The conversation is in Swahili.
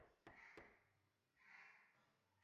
kutokana na ugonjwa wa kipindupindu ambapo habari hii